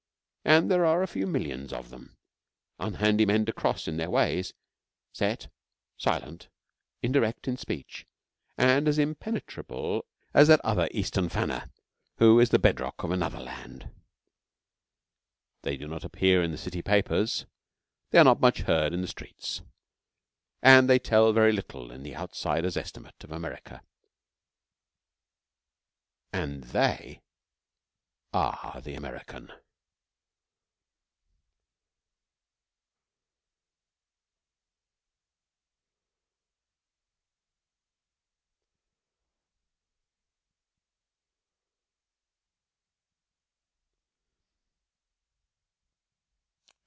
And there are a few millions of them unhandy men to cross in their ways, set, silent, indirect in speech, and as impenetrable as that other Eastern fanner who is the bedrock of another land. They do not appear in the city papers, they are not much heard in the streets, and they tell very little in the outsider's estimate of America. And they are the American.